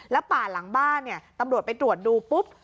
แล้วป่าหลังบ้านเนี่ยตำรวจไปตรวจดูปุ๊บ